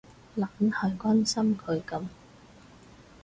懶係關心佢噉